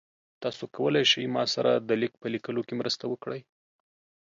تاسو کولی شئ ما سره د لیک په لیکلو کې مرسته وکړئ؟